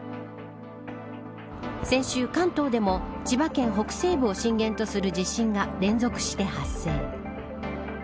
先週、関東でも千葉県北西部を震源とする地震が連続して発生。